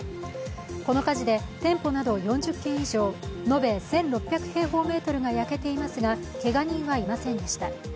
この火事で店舗など４０軒以上、延べ１６００平方メートル以上が焼けていますが、けが人はいませんでした。